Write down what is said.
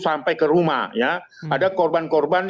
sampai ke rumah ya ada korban korban